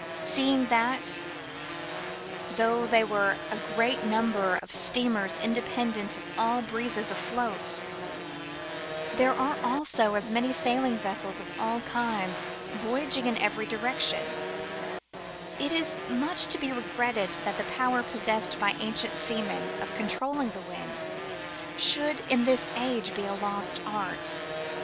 . Seeing that, though there are a great number of 128 CALMS AND SEAS, steamers independent of all breezes afloat, there are also very many sailing vessels of all kinds voyaging in every direction, it is much to be regretted that the power possessed by ancient seamen of controlling the wind should in this age be a lost art.